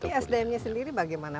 jadi sdm nya sendiri bagaimana